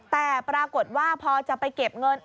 แต่ปรากฏว่าพอจะไปเก็บเงิน